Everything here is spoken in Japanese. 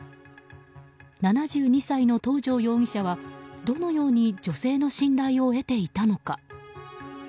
７２歳の東條容疑者はどのように女性の信頼を得ていたのか。